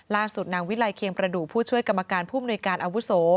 นางวิลัยเคียงประดูกผู้ช่วยกรรมการผู้มนุยการอาวุโส